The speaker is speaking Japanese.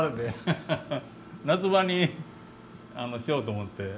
夏場にしようと思って。